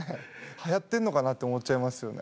はやってんのかなって思っちゃいますよね。